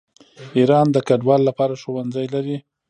ایران د کډوالو لپاره ښوونځي لري.